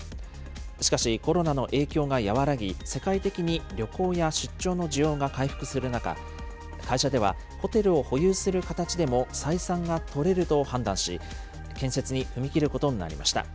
しかし、コロナの影響が和らぎ、世界的に旅行や出張の需要が回復する中、会社では、ホテルを保有する形でも採算が取れると判断し、建設に踏み切ることになりました。